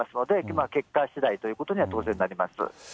まあ結果しだいということには当然なります。